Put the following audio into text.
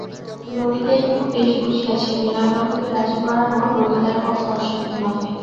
ললিতা এটুকু বেশ বুঝিয়াছে, বিনয়বাবুকে রাজি করানো ললিতার পক্ষে অসাধ্য নহে।